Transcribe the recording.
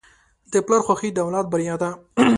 د پلار خوښي د اولاد بریا ده.